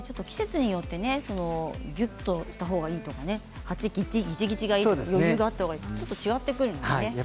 季節によってぎゅっとしたほうがいいとかぎちぎちがいいとかちょっと違ってくるんですね。